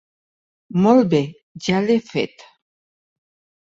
Molt bé, ja l'he fet.